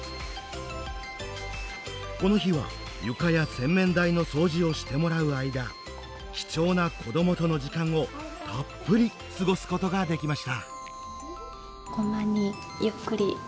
この日は床や洗面台の掃除をしてもらう間貴重な子どもとの時間をたっぷり過ごすことができました。